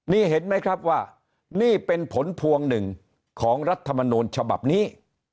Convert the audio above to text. นี่เห็นไหมครับว่านี่เป็นผลพวงหนึ่งของรัฐมนูลฉบับนี้